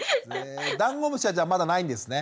ダンゴムシはじゃあまだないんですね？